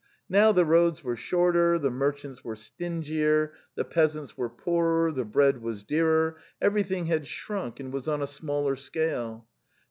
Now the roads were shorter, the merchants were stingier, the peasants were poorer, the bread was dearer, everything had shrunk and was on a smaller scale.